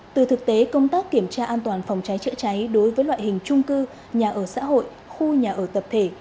từ thực tế công tác kiểm tra an toàn phòng cháy chữa cháy đối với loại hình trung cư nhà ở xã hội khu nhà ở tập thể